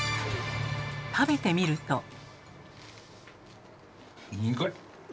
食べてみると。